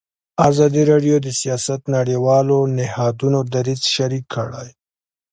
ازادي راډیو د سیاست د نړیوالو نهادونو دریځ شریک کړی.